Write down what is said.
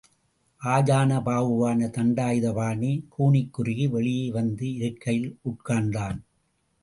ஆஜானுபாகுவான தண்டாயுதபாணி, கூனிக்குறுகி வெளியே வந்து இருக்கையில் உட்கார்ந்தான்.